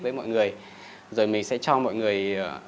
với mọi người rồi mình sẽ cho mọi người